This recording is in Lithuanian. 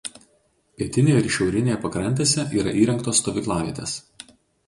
Pietinėje ir šiaurinėje pakrantėse yra įrengtos stovyklavietės.